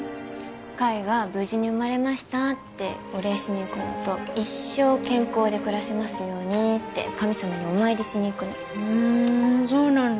海が無事に生まれましたってお礼しに行くのと一生健康で暮らせますようにって神様にお参りしに行くのふーんそうなんだ